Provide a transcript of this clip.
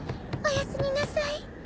おやすみなさい。